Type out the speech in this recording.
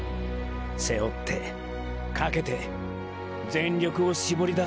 背負って賭けて全力を絞り出す。